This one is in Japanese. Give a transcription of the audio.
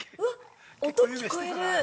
◆音、聞こえる。